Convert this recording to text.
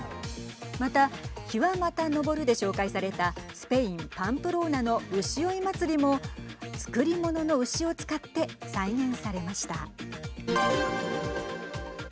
また、日はまた昇るで紹介されたスペインパンプローナの牛追い祭りも作り物の牛を使って再現されました。